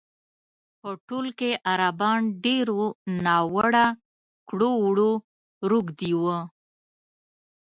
په ټول کې عربان ډېرو ناوړه کړو وړو روږ دي وو.